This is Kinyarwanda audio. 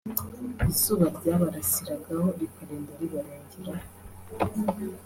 izuba ryabarasiragaho rikarinda ribarengeraho